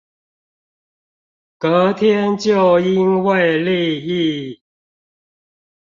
隔天就因為利益